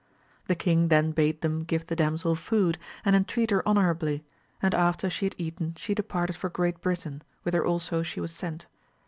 The king then bade them give the damsel food and entreat her honourably, and after she had eaten she departed for Great Britain, whither also she was sent.